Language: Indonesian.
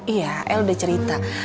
iya el udah cerita